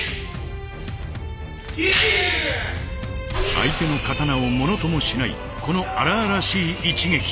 相手の刀をものともしないこの荒々しい一撃。